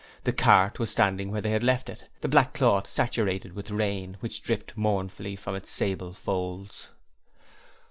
The cart was standing where they left it, the black cloth saturated with the rain, which dripped mournfully from its sable folds.